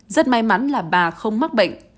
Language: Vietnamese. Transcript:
rất may mắn là bà không mắc bệnh